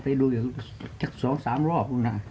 ไปดูอย่าง๒๓รอบ